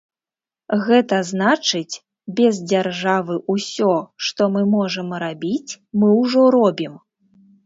Гэта значыць, без дзяржавы ўсё, што мы можам рабіць, мы ўжо робім.